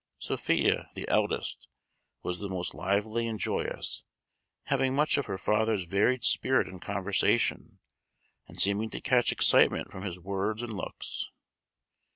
Sophia, the eldest, was the most lively and joyous, having much of her father's varied spirit in conversation, and seeming to catch excitement from his words and looks.